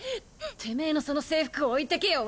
てめぇのその制服置いてけよ。